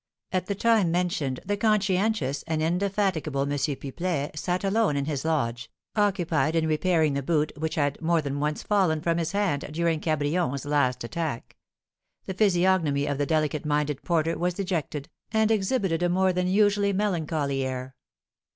At the time mentioned, the conscientious and indefatigable M. Pipelet sat alone in his lodge, occupied in repairing the boot which had, more than once, fallen from his hand during Cabrion's last attack; the physiognomy of the delicate minded porter was dejected, and exhibited a more than usually melancholy air.